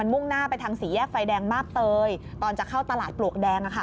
มันมุ่งหน้าไปทางศรีแยกไฟแดงมากเตยตอนจะเข้าตลาดปลวกแดงอ่ะค่ะ